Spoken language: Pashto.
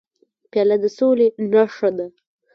پیاله د سولې نښه ده.